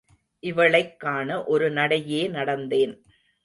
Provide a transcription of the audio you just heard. இவளைக் காண ஒரு நடையே நடந்தேன்.